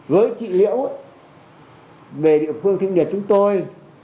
với chị liễu về địa phương thanh nhật chúng tôi